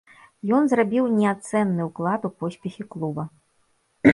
Ён зрабіў неацэнны ўклад у поспехі клуба.